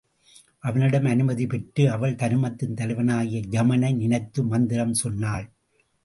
அவனிடம் அனுமதி பெற்று அவள் தருமத்தின் தலைவனாகிய யமனை நினைத்து மந்திரம் சொன்னாள்.